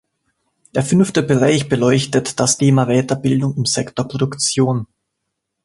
Der fünfte Bereich beleuchtet das Thema Weiterbildung im Sektor Produktion.